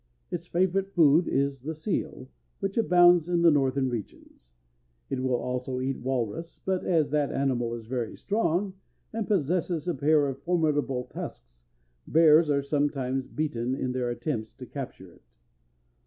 Its favorite food is the seal, which abounds in the northern regions; it will also eat walrus, but as that animal is very strong, and possesses a pair of formidable tusks, bears are sometimes beaten in their attempts to capture it.